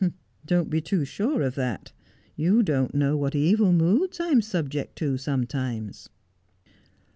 ' Don't be too sure of that. You don't know what evil moods I am subject to sometimes.'